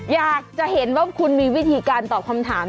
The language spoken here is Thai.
อยากจะเห็นว่าคุณมีวิธีการตอบคำถาม